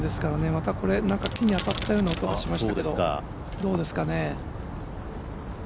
また、木に当たったような音がしましたけど、どうですかね。